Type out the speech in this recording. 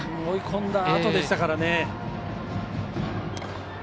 追い込んだあとでしたからね。